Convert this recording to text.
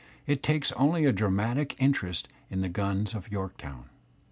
It takes only a dramatic interest in the guns of Yorktown.